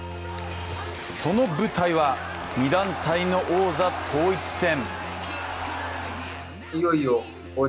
その舞台は、２団体の王座統一戦。